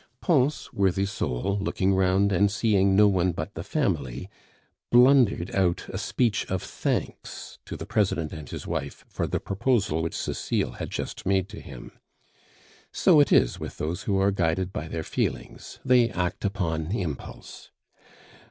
Pons, worthy soul, looking round and seeing no one but the family, blundered out a speech of thanks to the President and his wife for the proposal which Cecile had just made to him. So it is with those who are guided by their feelings; they act upon impulse.